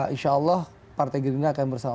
insya allah partai gerindra akan bersama